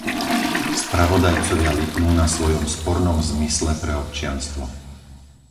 Spravodajcovia lipnú na svojom spornom zmysle pre občianstvo.